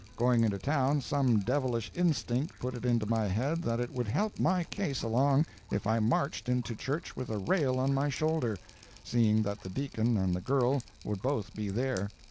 Going into town, some devilish instinct put it into my head that it would help my case along if I marched into church with a rail on my shoulder, seeing that the deacon and the girl would both be there.